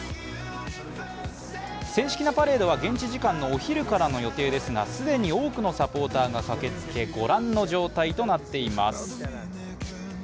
正式なパレードは現地時間のお昼からの予定ですが、既に多くのサポーターが駆けつけ、ご覧の状態となっています。